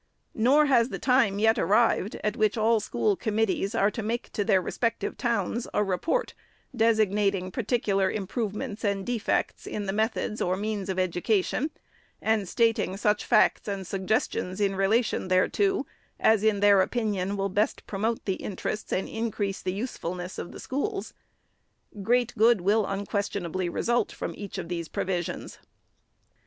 Nor has the time yet arrived, at which all school committees are to make to their respective towns a report, " designating particular improvements and defects in the methods or means of education, and stating such facts and suggestions in rela tion thereto, as, in their opinion, will best promote the interests and increase the usefulness of the schools." Great good will unquestionably result from each of these provisions.